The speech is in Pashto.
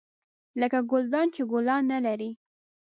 لکه ګلدان چې ګلان نه لري .